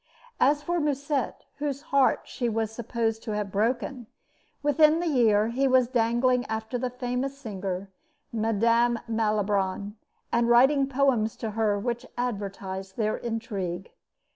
As for Musset, whose heart she was supposed to have broken, within a year he was dangling after the famous singer, Mme. Malibran, and writing poems to her which advertised their intrigue.